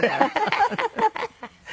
ハハハハ！